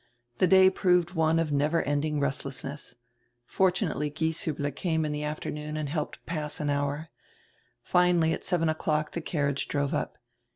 The day proved one of never end ing resdessness. Fortunately Gieshiibler came in die after noon and helped pass an hour. Finally, at seven o'clock, the carriage drove up.